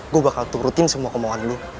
gua bakal turutin semua kemohonan lu